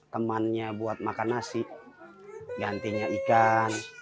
temannya buat makan nasi gantinya ikan